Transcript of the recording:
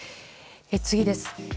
次です。